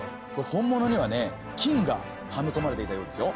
本物にはね金がはめこまれていたようですよ。